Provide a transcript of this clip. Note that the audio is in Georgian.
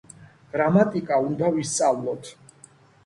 გრამატიკა უნდა ვისწავლოთ.